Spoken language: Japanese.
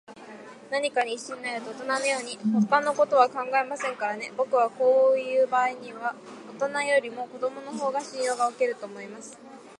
何かに一心になると、おとなのように、ほかのことは考えませんからね。ぼくはこういうばあいには、おとなよりも子どものほうが信用がおけると思います。